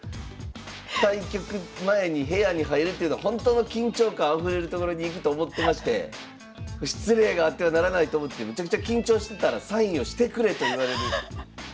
対局前に部屋に入るっていうのはほんとの緊張感あふれる所に行くと思ってまして失礼があってはならないと思ってめちゃくちゃ緊張してたらサインをしてくれと言われる。